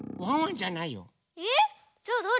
じゃあだれ？